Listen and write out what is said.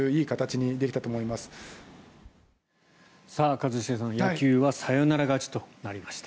一茂さん、野球はサヨナラ勝ちとなりました。